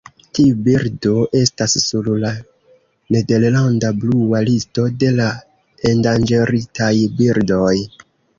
Tiu birdo estas sur la "Nederlanda Blua Listo" de la endanĝeritaj birdoj.